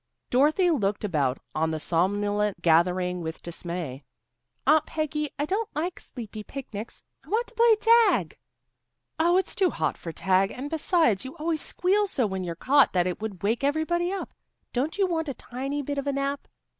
Dorothy looked about on the somnolent gathering with dismay. "Aunt Peggy, I don't like sleepy picnics. I want to play tag." "Oh, it's too hot for tag, and, besides, you always squeal so when you're caught that it would wake everybody up. Don't you want a tiny bit of a nap?"